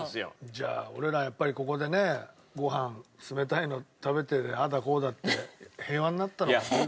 じゃあ俺らやっぱりここでねご飯冷たいの食べてああだこうだって平和になったのかな。